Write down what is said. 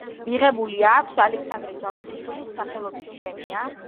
მიღებული აქვს ალექსანდრე ჯავახიშვილის სახელობის პრემია.